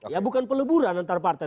ya bukan peleburan antar partai